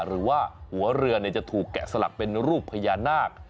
หรือว่าหัวเรือจะถูกแกะสลักเป็นรูปพญานาค